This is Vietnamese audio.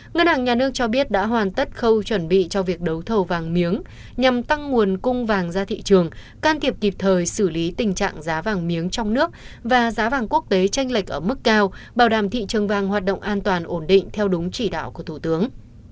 ngân hàng nhà nước cho biết đã hoàn tất khâu chuẩn bị cho việc đấu thầu vàng miếng nhằm tăng nguồn cung vàng ra thị trường can thiệp kịp thời xử lý tình trạng giá vàng miếng trong nước và giá vàng quốc tế tranh lệch ở mức cao bảo đảm thị trường vàng hoạt động an toàn ổn định theo đúng chỉ đạo của thủ tướng